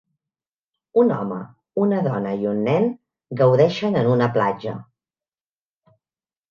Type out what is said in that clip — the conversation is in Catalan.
Un home, una dona i un nen gaudeixen en una platja.